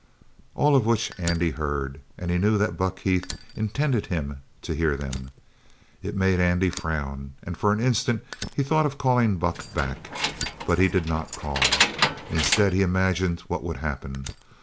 All of which Andy heard, and he knew that Buck Heath intended him to hear them. It made Andy frown, and for an instant he thought of calling Buck back. But he did not call. Instead he imagined what would happen.